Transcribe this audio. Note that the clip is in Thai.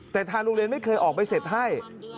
แต่ทางโรงเรียนไม่เคยออกใบเสร็จให้